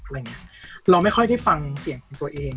เราไม่ค่อยได้ฟังเสียงของตัวเอง